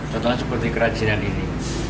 contohnya seperti kerajinan ini